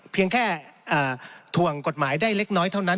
เพียงแค่ถ่วงกฎหมายได้เล็กน้อยเท่านั้น